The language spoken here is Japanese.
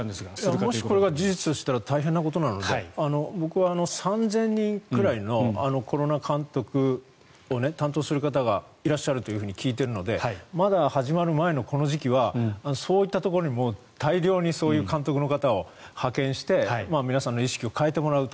もしこれが事実だとすれば大変なことなので僕は３０００人ぐらいのコロナ監督を担当する方がいらっしゃると聞いてるのでまだ始まる前のこの時期はそういうところに監督の方を派遣して皆さんの意識を変えてもらうと。